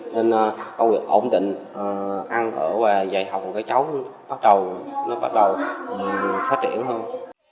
nên công việc ổn định ăn ở và dạy học của các cháu bắt đầu phát triển hơn